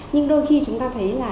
nhưng đôi khi chúng ta thấy là